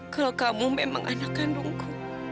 kalau kamu memang anak kandungku